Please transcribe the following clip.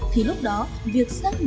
thì lúc đó việc sẽ được thực hiện